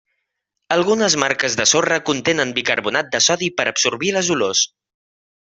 Algunes marques de sorra contenen bicarbonat de sodi per absorbir les olors.